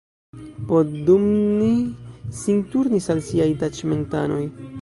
Poddubnij sin turnis al siaj taĉmentanoj.